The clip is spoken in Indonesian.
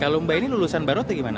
kalau mbak ini lulusan baru atau gimana